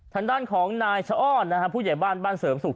ทางด้านของนายชะอ้อนนะฮะผู้ใหญ่บ้านบ้านเสริมสุข